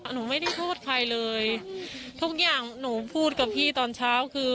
หนูไม่ได้โทษใครเลยทุกอย่างหนูพูดกับพี่ตอนเช้าคือ